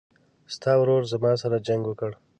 ستا ورور زما سره جنګ وکړ